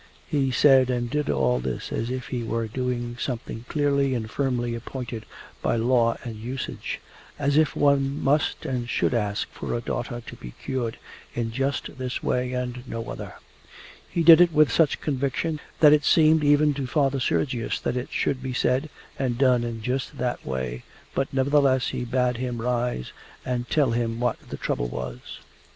He said and did all this as if he were doing something clearly and firmly appointed by law and usage as if one must and should ask for a daughter to be cured in just this way and no other. He did it with such conviction that it seemed even to Father Sergius that it should be said and done in just that way, but nevertheless he bade him rise and tell him what the trouble was.